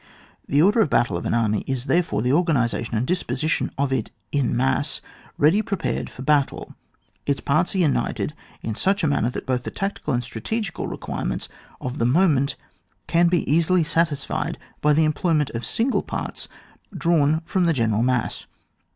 The order of battle of an army is therefore the organisation and disposi tion of it in mass ready prepared for battle. Its parts are united in such a manner that both the tactical and strate gical requirements of the moment can be easily satisfied by the employment of single parts drawn from the general mass.